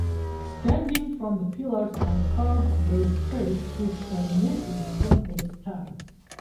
Extending from the pillars are curved balustrades which terminate in stone pedestals.